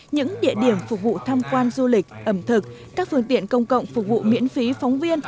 những địa điểm phục vụ tham quan du lịch ẩm thực các phương tiện công cộng phục vụ miễn phí phóng viên